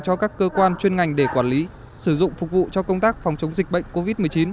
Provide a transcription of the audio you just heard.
cho các cơ quan chuyên ngành để quản lý sử dụng phục vụ cho công tác phòng chống dịch bệnh covid một mươi chín